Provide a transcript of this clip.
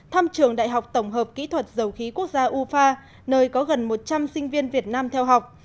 thăm trường đại học tổng hợp kỹ thuật dầu khí quốc gia ufa nơi có gần một trăm linh sinh viên việt nam theo học